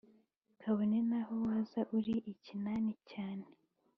kabone naho waza uri ikinani cyane